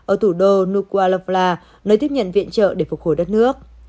ở thủ đô nikolava nơi tiếp nhận viện trợ để phục hồi đất nước